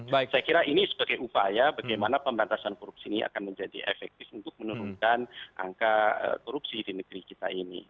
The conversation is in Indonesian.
saya kira ini sebagai upaya bagaimana pemberantasan korupsi ini akan menjadi efektif untuk menurunkan angka korupsi di negeri kita ini